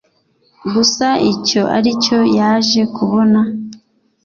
gusa icyo aricyo yaje kubona.